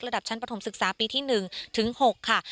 ระดับชั้นประถมศึกษาปีที่๑ถึง๖ค่ะ